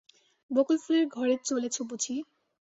বকুলফুলের ঘরে চলেছ বুঝি?